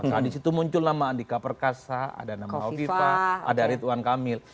maka disitu muncul nama andika perkasa ada nama ovi fah ada ridwan kamil